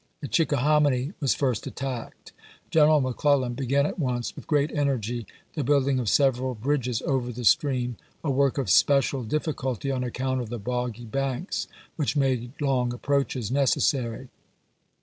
The Chickahominy was first attacked. General Mc Clellan began at once with great energy the build ing of several bridges over the stream, a work of special difficulty on account of the boggy banks, which made long approaches necessary.